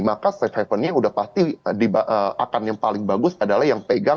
maka safe havennya yang udah pasti akan yang paling bagus adalah yang pegang